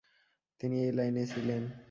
তিনি এই লাইনে ছিলেন।